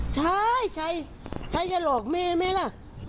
ใช่ใช่ใช่อย่าหลอกแม่แม่ล่ะ